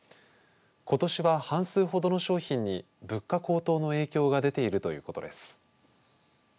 ことしは半数ほどの商品に物価高騰の影響が出ているということです。